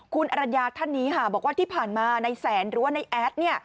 คุณอรัญญาท่านนี้ค่ะบอกว่าที่ผ่านมาในแสนหรือว่าในแอด